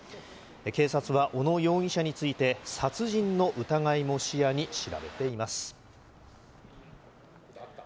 警察は、小野容疑者について、殺人の疑いも視野に調べています。